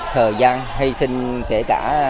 thời gian hy sinh kể cả